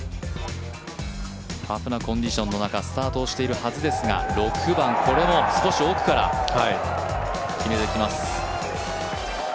タフなコンディションの中スタートをしているはずですが６番、これも少し奥から決めてきます。